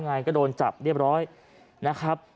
ไงก็โดนจับเรียบร้อยนะครับ